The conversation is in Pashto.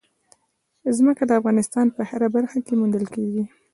ځمکه د افغانستان په هره برخه کې موندل کېږي.